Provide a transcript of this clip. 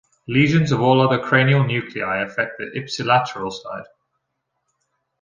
Lesions of all other cranial nuclei affect the "ipsilateral" side.